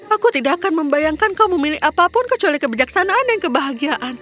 aku tidak akan membayangkan kau memilih apapun kecuali kebijaksanaan dan kebahagiaan